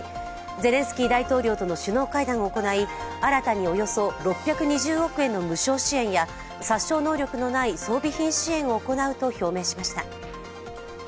ゼレンスキー大統領との首脳会談を行い、新たにおよそ６２０億円の無償支援や殺傷能力のない装備品支援を行うと表明しました。